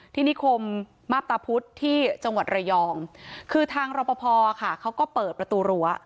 นิคมมาพตาพุธที่จังหวัดระยองคือทางรปภค่ะเขาก็เปิดประตูรั้ว